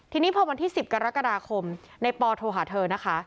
ทีนี้พอวันที่๑๐กรกฎาคมในปอโทรหาเธอนะคะ